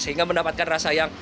sehingga mendapatkan rasa yang